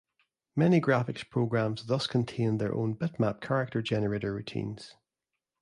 Many graphics programs thus contained their own bitmap character generator routines.